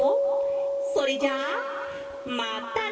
それじゃあまったね！